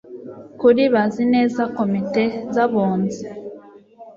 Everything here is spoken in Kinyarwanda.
kuri bazi neza Komite z Abunzi